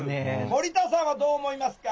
森田さんはどう思いますか？